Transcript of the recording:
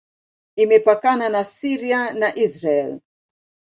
Imepakana na Syria na Israel.